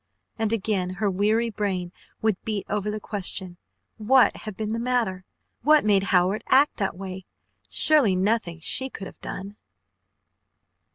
And again her weary brain would beat over the question, what had been the matter? What made Howard act that way? Surely nothing she could have done.